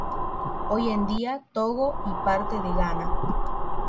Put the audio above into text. Hoy en día Togo y parte de Ghana.